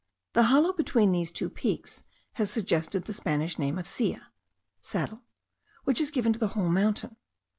The hollow between these two peaks has suggested the Spanish name of Silla (saddle), which is given to the whole mountain.